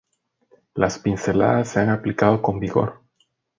Las pinceladas se han aplicado con vigor.